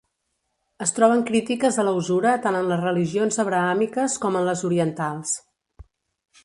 Es troben crítiques a la usura tant en les religions abrahàmiques com en les orientals.